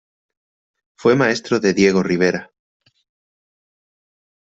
Fue maestro de Diego Rivera.